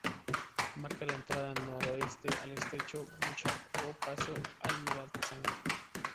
Marca la entrada noreste al estrecho Bouchard o paso Almirantazgo.